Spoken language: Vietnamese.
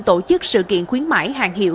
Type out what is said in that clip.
tổ chức sự kiện khuyến mãi hàng hiệu